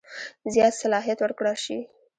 زیات صلاحیت ورکړه شي.